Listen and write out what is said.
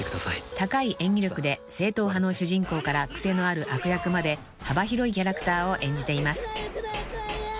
［高い演技力で正統派の主人公から癖のある悪役まで幅広いキャラクターを演じています］